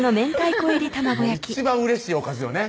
もう一番うれしいおかずよね